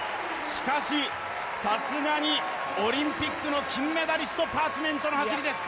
しかしさすがにオリンピックの金メダリスト、パーチメントの走りです。